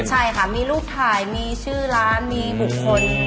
ใช่ค่ะมีรูปถ่ายมีชื่อร้านมีบุคคล